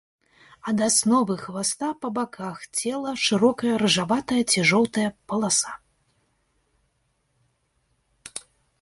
Ад асновы хваста па баках цела шырокая рыжаватая ці жоўтая паласа.